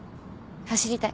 走りたい。